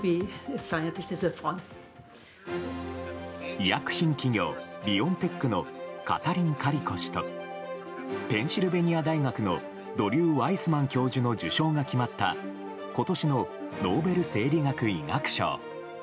医薬品企業ビオンテックのカタリン・カリコ氏とペンシルベニア大学のドリュー・ワイスマン教授の受賞が決まった今年のノーベル生理学・医学賞。